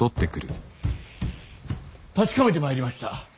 確かめてまいりました。